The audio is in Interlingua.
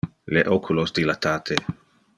Le oculos dilatate.